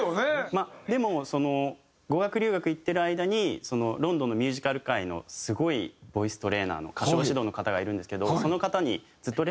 まあでも語学留学行ってる間にロンドンのミュージカル界のすごいボイストレーナーの歌唱指導の方がいるんですけどその方に。